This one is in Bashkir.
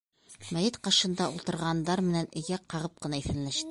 Мәйет ҡашында ултырғандар менән эйәк ҡағып ҡына иҫәнләште.